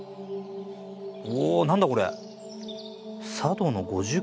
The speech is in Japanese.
うお何だこれ？